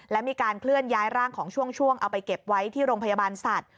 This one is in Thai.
และมีการเคลื่อนย้ายร่างของช่วงเอาไปเก็บไว้ที่โรงพยาบาลสัตว์